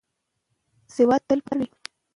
که نرس وي نو خدمت نه کمیږي.